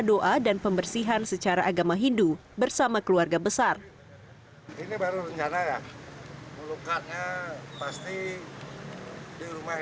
doa dan pembersihan secara agama hindu bersama keluarga besar ini baru rencana melukatnya pasti di rumah